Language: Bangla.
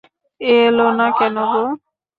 এলে না কেন গো?